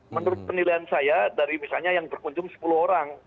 menurut penilaian saya dari misalnya yang berkunjung sepuluh orang